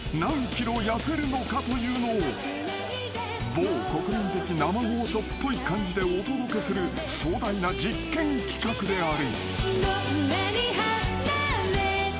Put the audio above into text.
［某国民的生放送っぽい感じでお届けする壮大な実験企画である］